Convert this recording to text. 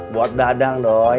buat dadang doi